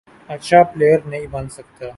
اچھا پلئیر نہیں بن سکتا،